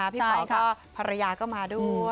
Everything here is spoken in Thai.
จ้ะค่ะพี่ป๋อก็ภรรยาก็มาด้วยใช่ค่ะ